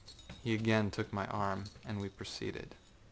â He again took my arm, and we proceeded.